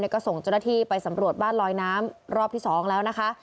ก็ส่งเจ้าหน้าที่ไปสำรวจบ้านลอยน้ำรอบที่๒แล้วนะคะ